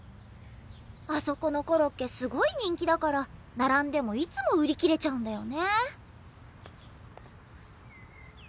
あそこのコロッケすごい人気だから並んでもいつも売り切れちゃうんだよね。